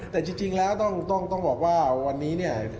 แต่จริงแล้วต้องบอกว่าวันนี้เนี่ย